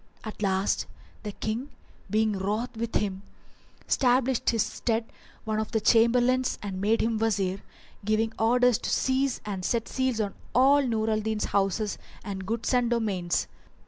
At last the King, being wroth with him, stablished in his stead one of his Chamberlains and made him Wazir, giving orders to seize and set seals on all Nur al Din's houses and goods and domains.